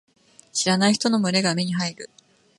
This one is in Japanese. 知らない人の群れが目に入る。